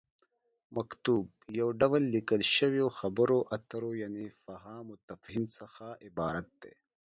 مکتوب: یو ډول ليکل شويو خبرو اترو یعنې فهام وتفهيم څخه عبارت دی